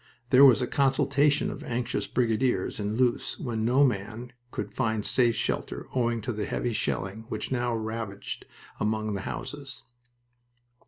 There was a consultation of anxious brigadiers in Loos when no man could find safe shelter owing to the heavy shelling which now ravaged among the houses.